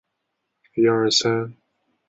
其他还原器其他氧化剂